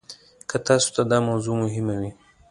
که تاسو ته دا موضوع مهمه وي.